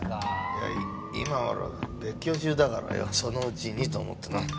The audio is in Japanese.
いや今はほら別居中だからよそのうちにと思ってな。